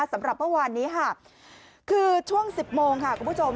สำหรับเมื่อวานนี้ค่ะคือช่วง๑๐โมงค่ะคุณผู้ชม